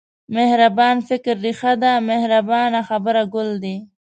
مهربان فکر رېښه ده مهربانه خبره ګل دی.